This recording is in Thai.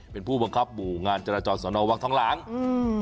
เป็นผู้บังคับหมู่งานจราจรสอนอวังทองหลังอืม